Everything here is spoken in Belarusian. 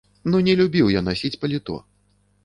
Ну, не любіў я насіць паліто.